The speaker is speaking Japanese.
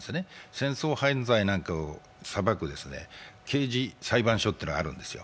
戦争犯罪などを裁く刑事裁判所というのがあるんですよ。